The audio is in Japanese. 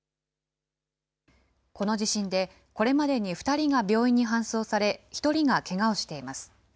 この地震で、これまでに２人が病院に搬送され、１人がけがをしています。